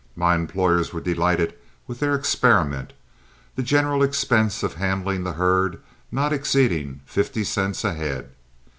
My employers were delighted with their experiment, the general expense of handling the herd not exceeding fifty cents a head.